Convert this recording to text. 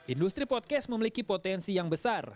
industri podcast memiliki potensi yang besar